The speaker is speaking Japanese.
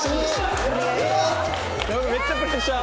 やばいめっちゃプレッシャー。